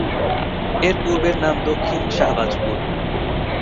এর পূর্বের নাম দক্ষিণ শাহবাজপুর।